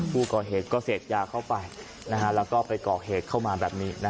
ผู้ก่อเหตุก็เสพยาเข้าไปแล้วก็ไปก่อเหตุเข้ามาแบบนี้